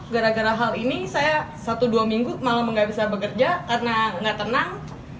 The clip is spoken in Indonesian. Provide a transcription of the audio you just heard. gara gara hal ini saya satu dua minggu malam nggak bisa bekerja karena nggak tenang